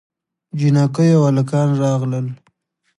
نجونې او هلکان راغلل.